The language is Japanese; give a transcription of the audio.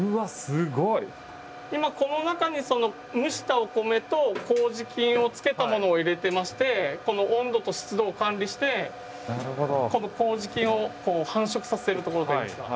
今この中に蒸したお米とこうじ菌を付けたものを入れてましてこの温度と湿度を管理してこうじ菌を繁殖させるところといいますか。